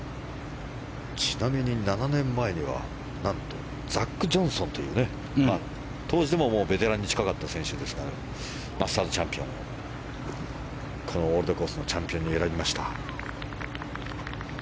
ちなみに７年前には何とザック・ジョンソンという当時でもベテランに近かった選手ですがマスターズチャンピオンをこのオールドコースのチャンピオンに選びました。